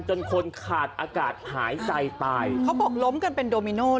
จนคนขาดอากาศหายใจตายเขาบอกล้มกันเป็นโดมิโน